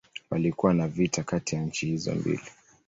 Palikuwa na vita kati ya nchi hizo mbili.